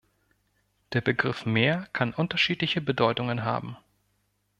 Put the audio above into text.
Der Begriff Mehr kann unterschiedliche Bedeutungen haben.